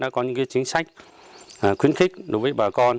cháu đã có những chính sách khuyến khích đối với bà con